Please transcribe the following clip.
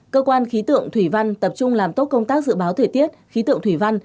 cơ quan khí tượng thủy văn tập trung làm tốt công tác dự báo thời tiết khí tượng thủy văn